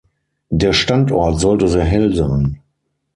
Der Standort sollte sehr hell sein.